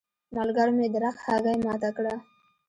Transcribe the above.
ملګرو مې د رخ هګۍ ماته کړه.